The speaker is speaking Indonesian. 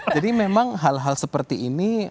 jadi memang hal hal seperti ini